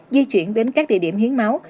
di chuyển đến các địa điểm hiến máu